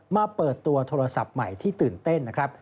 มาเปิดตัวโทรศัพท์ใหม่ที่ตื่นเต้นนะครับ